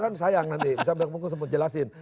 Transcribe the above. kan sayang nanti bisa belakang minggu sempat jelasin